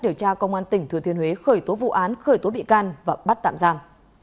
điều tra công an tỉnh thừa thiên huế khởi tố vụ án khởi tố bị can và bắt tạm giam